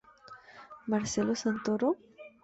Marcelo Santoro?...